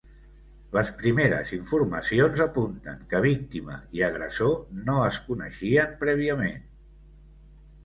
Les primeres informacions apunten que víctima i agressor no es coneixien prèviament.